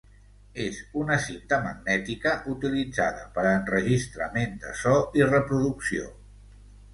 És una cinta magnètica utilitzada per a enregistrament de so i reproducció.